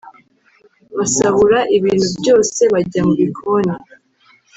basahura ibintu byose bajya mu bikoni